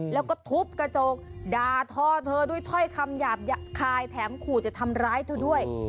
แล้วก็ทุบกระจกด่าทอเธอด้วยถ้อยคำหยาบคายแถมขู่จะทำร้ายเธอด้วย